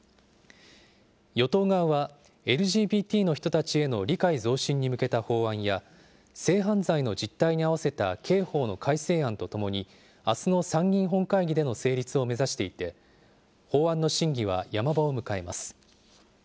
与党側はＬＧＢＴの人たちへの理解増進に向けた法案や、性犯罪の実態に合わせた刑法の改正案とともに、あすの参議院本会議での成立を目指していて、法案の審議はヤマ場を迎えます。